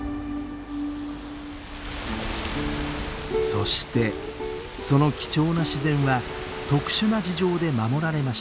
そしてその貴重な自然は特殊な事情で守られました。